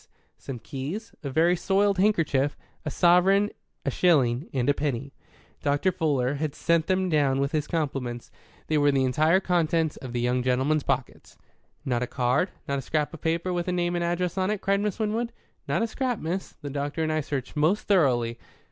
some keys, a very soiled handkerchief, a sovereign, a shilling and a penny. Dr. Fuller had sent them down with his compliments; they were the entire contents of the young gentleman's pockets. "Not a card, not a scrap of paper with a name and address on it?" cried Miss Winwood. "Not a scrap, miss. The doctor and I searched most thoroughly."